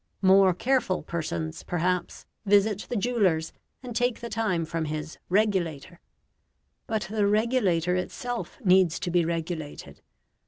More careful persons, perhaps, visit the jeweller's and take the time from his "regulator." But the regulator itself needs to be regulated.